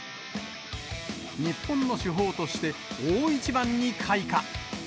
日本の主砲として大一番に開花。